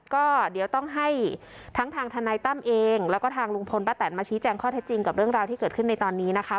ก็เดี๋ยวต้องให้ทั้งทางทนายตั้มเองแล้วก็ทางลุงพลป้าแตนมาชี้แจงข้อเท็จจริงกับเรื่องราวที่เกิดขึ้นในตอนนี้นะคะ